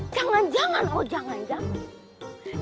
jangan jangan oh jangan jangan